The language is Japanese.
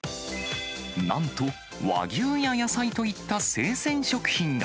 なんと、和牛や野菜といった生鮮食品が。